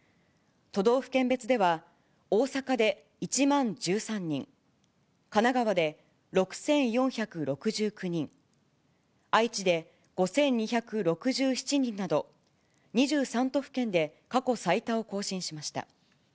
都道府県別では大阪で１万１３人、神奈川で６４６９人、愛知で５２６７人など、２３都府県で過去最多を更新しました。